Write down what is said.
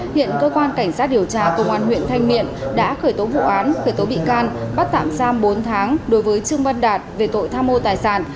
hiện cơ quan cảnh sát điều tra công an huyện thanh miện đã khởi tố vụ án khởi tố bị can bắt tạm giam bốn tháng đối với trương văn đạt về tội tham mô tài sản